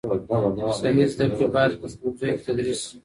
صحي زده کړې باید په ښوونځیو کي تدریس سي.